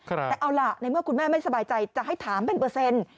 แต่เอาล่ะในเมื่อคุณแม่ไม่สบายใจจะให้ถามเป็นเปอร์เซ็นต์